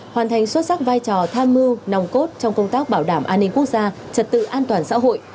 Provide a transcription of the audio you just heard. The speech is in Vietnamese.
hoàn thành xuất sắc vai trò tham mưu nòng cốt trong công tác bảo đảm an ninh quốc gia trật tự an toàn xã hội